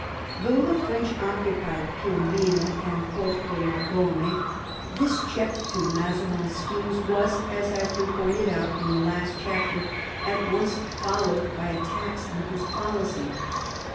Though the French occupied Piombino and Porto Longone, this check to Mazarines schemes was, as has been pointed out in the last chapter, at once followed by attacks on his policy.